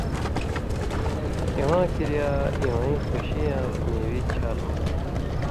(اِواں کِریا) اِوَیں خوشی یاں مېوی چھال ہو تھہ۔